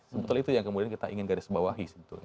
sebetulnya itu yang kemudian kita ingin garis kebawahi